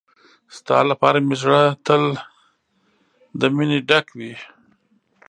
ستا لپاره مې زړه تل مينه ډک وي.